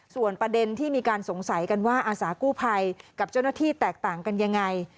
ส่วนประเด็นที่มีการสงสัยกันว่าอาสากู้ภัยกับเจ้าหน้าที่แตกต่างกันยังไง